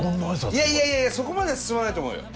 いやいやいやいやそこまで進まないと思うよ多分。